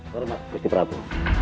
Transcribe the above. permas gusti prabu